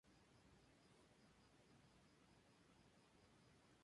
Cada fortaleza a su mando resistió todo lo que pudo.